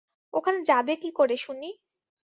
ওখানে যাবে কী করে শুনি?